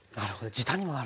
時短にもなる。